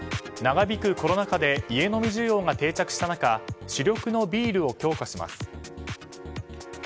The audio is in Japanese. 長引くコロナ禍で家飲み需要が定着した中主力のビールを強化します。